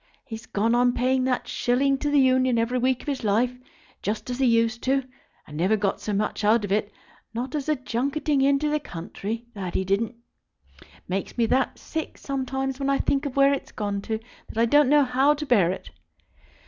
He's gone on paying that shilling to the Union every week of his life, just as he used to do; and never got so much out of it, not as a junketing into the country. That he didn't. It makes me that sick sometimes when I think of where it's gone to, that I don't know how to bear it.